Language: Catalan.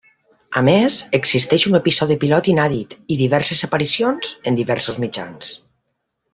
A més, existeix un episodi pilot inèdit i diverses aparicions en diversos mitjans.